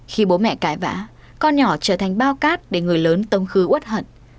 khi bố mẹ cãi vã con nhỏ trở thành bao cát để người lớn tông khứ út hận